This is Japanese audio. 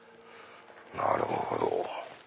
なるほど。